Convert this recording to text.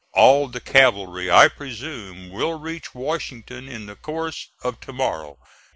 All the cavalry, I presume, will reach Washington in the course of to morrow.